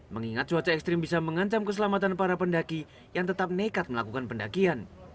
mengingat cuaca ekstrim bisa mengancam keselamatan para pendaki yang tetap nekat melakukan pendakian